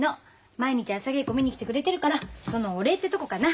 毎日朝稽古見に来てくれてるからそのお礼ってとこかな。